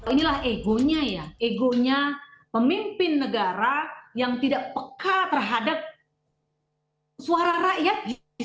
inilah egonya ya egonya pemimpin negara yang tidak peka terhadap suara rakyat